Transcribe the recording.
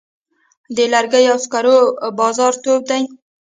د لرګیو او سکرو بازار تود دی؟